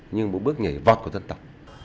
nhưng một bước nhảy vọt của dân tộc